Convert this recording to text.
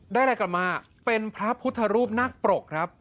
อะไรกลับมาเป็นพระพุทธรูปนักปรกครับ